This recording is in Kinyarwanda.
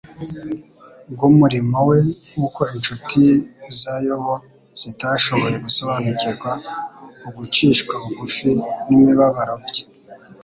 bw'umurimo we nkuko inshuti za Yobu zitashoboye gusobanukirwa ugucishwa bugufi n'imibabaro bye.